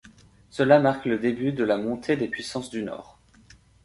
Cela marque le début de la montée des puissances du Nord.